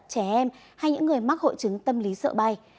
trẻ em hay những người mắc hội chứng tâm lý sợ bay